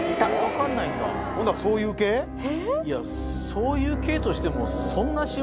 そういう系としても。